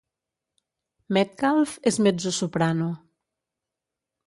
Medcalf és mezzosoprano.